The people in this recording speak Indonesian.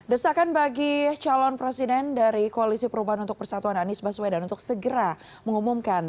desakan bagi calon presiden dari koalisi perubahan untuk persatuan anies baswedan untuk segera mengumumkan